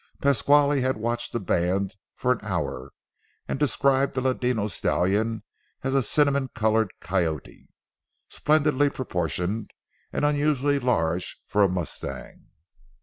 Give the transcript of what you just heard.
Pasquale had watched the band for an hour, and described the ladino stallion as a cinnamon colored coyote, splendidly proportioned and unusually large for a mustang.